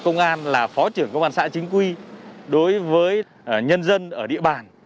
công an là phó trưởng công an xã chính quy đối với nhân dân ở địa bàn